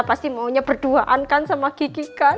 pasti maunya berduaan kan sama gigi kan